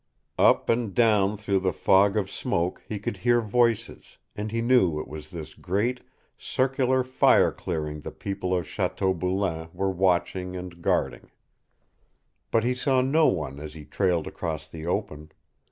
Up and down through the fog of smoke he could hear voices, and he knew it was this great, circular fire clearing the people of Chateau Boulain were watching and guarding. But he saw no one as he trailed across the open.